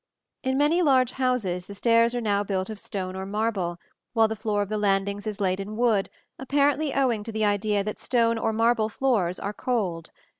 In many large houses the stairs are now built of stone or marble, while the floor of the landings is laid in wood, apparently owing to the idea that stone or marble floors are cold.